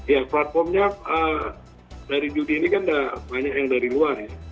ya platformnya dari judi ini kan banyak yang dari luar ya